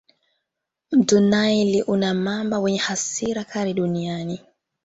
Mto naili una mamba wenye hasira kali duniani